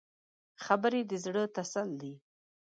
خبرې د زړه تسل دي